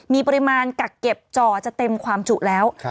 มีปริมาณกักเก็บจ่อจะเต็มความจุแล้ว